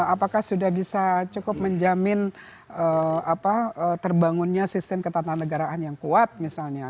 apakah sudah bisa cukup menjamin terbangunnya sistem ketatanegaraan yang kuat misalnya